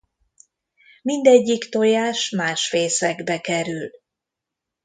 Mindegyik tojás más fészekbe kerül.